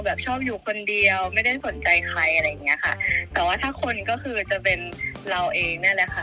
แบบชอบอยู่คนเดียวไม่ได้สนใจใครอะไรอย่างเงี้ยค่ะแต่ว่าถ้าคนก็คือจะเป็นเราเองเนี่ยแหละค่ะ